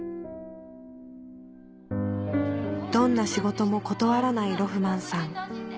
どんな仕事も断らないロフマンさん